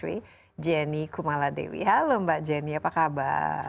elemen gold ini seharusnya bagus ya